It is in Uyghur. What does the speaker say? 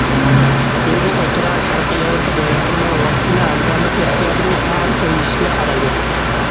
جۇڭگو ئوتتۇرا، شەرقىي ياۋروپا دۆلەتلىرىنىڭ ۋاكسىنا ھەمكارلىق ئېھتىياجىنى پائال ئويلىشىشنى خالايدۇ.